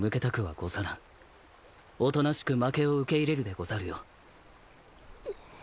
おとなしく負けを受け入れるでござるよ。